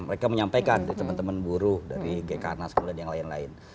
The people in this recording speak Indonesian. mereka menyampaikan ke teman teman buru dari gknas dan lain lain